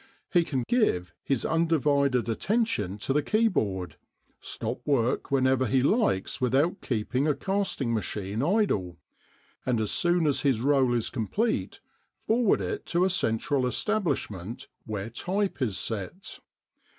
He can give his undivided attention to the keyboard, stop work whenever he likes without keeping a casting machine idle, and as soon as his roll is complete forward it to a central establishment where type is set.